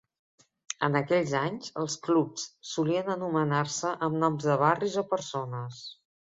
En aquells anys els clubs solien anomenar-se amb noms de barris o persones.